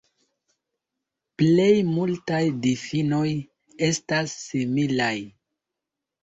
Plej multaj difinoj estas similaj.